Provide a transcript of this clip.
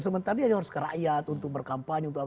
sementara dia harus ke rakyat untuk berkampanye